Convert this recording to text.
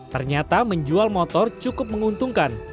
ternyata menjual motor cukup menguntungkan